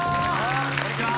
こんにちは